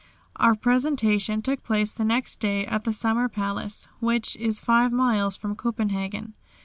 Our presentation took place the next day at the summer palace, which is five miles from Copenhagen.